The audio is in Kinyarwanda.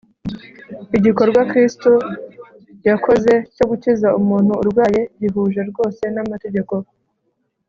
. Igikorwa Kristo yakoze cyo gukiza umuntu urwaye gihuje rwose n’amategeko.